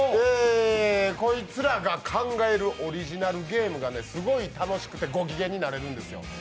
こいつらが考えるオリジナルゲームがすごい楽しくてごきげんになれるんですよ。